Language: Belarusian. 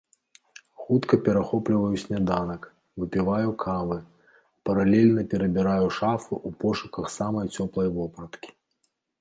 Хутка перахопліваю сняданак, выпіваю кавы, паралельна перабіраю шафу ў пошуках самай цёплай вопраткі.